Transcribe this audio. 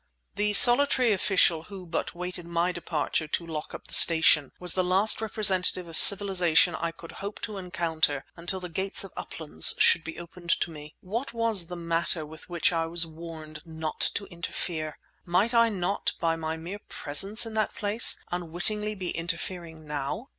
The solitary official, who but waited my departure to lock up the station, was the last representative of civilization I could hope to encounter until the gates of "Uplands" should be opened to me! What was the matter with which I was warned not to interfere? Might I not, by my mere presence in that place, unwittingly be interfering now?